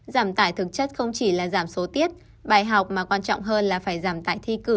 giảm tải thực chất không chỉ là giảm số tiết bài học mà quan trọng hơn là phải giảm tải thi cử